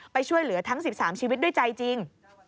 ไปช่วยเหลือทั้ง๑๓ชีวิตด้วยใจจริง